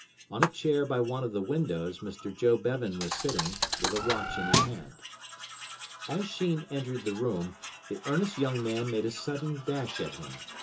On a chair by one of the windows Mr Joe Bevan was sitting, with a watch in his hand. As Sheen entered the room the earnest young man made a sudden dash at him.